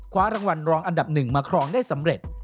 คว้ารางวัลรองอันดับ๑มาครองได้สำเร็จ